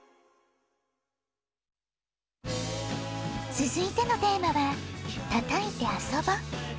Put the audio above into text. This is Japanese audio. つづいてのテーマは「たたいてあそぼ」。